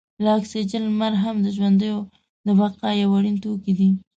لکه اکسیجن، لمر هم د ژوندیو د بقا یو اړین توکی دی.